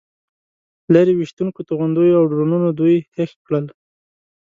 لرې ویشتونکو توغندیو او ډرونونو دوی هېښ کړل.